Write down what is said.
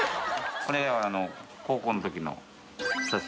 これは高校の時の写真。